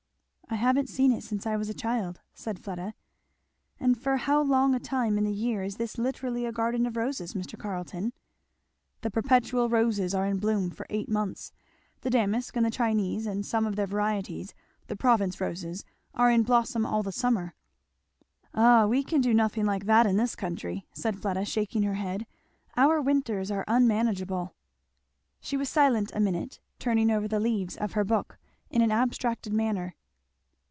"I haven't seen it since I was a child," said Fleda. "And for how long a time in the year is this literally a garden of roses, Mr. Carleton?" "The perpetual roses are in bloom for eight months, the Damask and the Chinese, and some of their varieties the Provence roses are in blossom all the summer." "Ah we can do nothing like that in this country," said Fleda shaking her head; "our winters are unmanageable." She was silent a minute, turning over the leaves of her book in an abstracted manner.